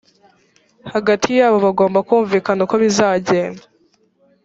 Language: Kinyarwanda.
hagati yabo bagomba kumvikana uko bizagenda